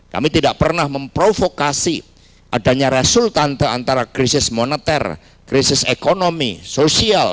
kami tidak pernah memprovokasi adanya resultante antara krisis moneter krisis ekonomi sosial